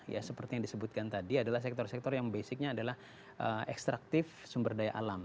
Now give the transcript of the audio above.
ya seperti yang disebutkan tadi adalah sektor sektor yang basicnya adalah ekstraktif sumber daya alam